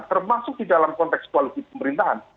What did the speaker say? termasuk di dalam konteks koalisi pemerintahan